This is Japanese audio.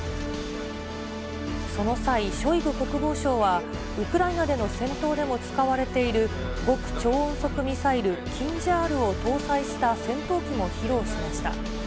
その際、ショイグ国防相は、ウクライナでの戦闘でも使われている極超音速ミサイルキンジャールを搭載した戦闘機も披露しました。